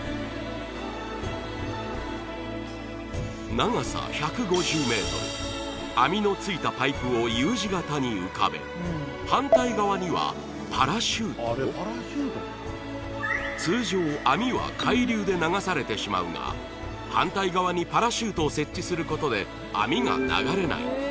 長さ１５０ｍ網のついたパイプをＵ字型に浮かべ反対側には通常網は海流で流されてしまうが反対側にパラシュートを設置することで網が流れない